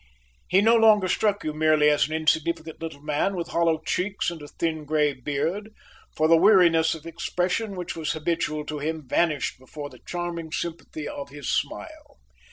He no longer struck you merely as an insignificant little man with hollow cheeks and a thin grey beard; for the weariness of expression which was habitual to him vanished before the charming sympathy of his smile.